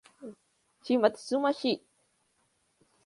下妻市 Shimotsuma-shi